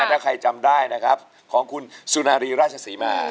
ถ้าใครจำได้นะครับของคุณสุนารีราชศรีมา